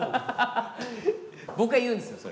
僕が言うんですよそれ。